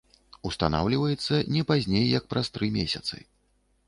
Устанаўліваецца не пазней як праз тры месяцы.